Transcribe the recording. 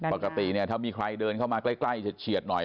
ปกติเนี่ยถ้ามีใครเดินเข้ามาใกล้เฉียดหน่อย